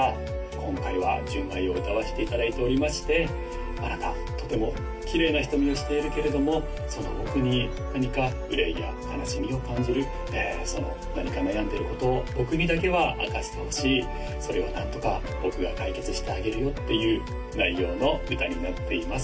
今回は純愛を歌わせていただいておりましてあなたとてもきれいな瞳をしているけれどもその奥に何か憂いや悲しみを感じるその何か悩んでることを僕にだけは明かしてほしいそれを何とか僕が解決してあげるよっていう内容の歌になっています